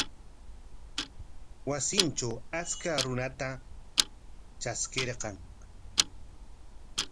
Wasintraw achka runata traskirqan.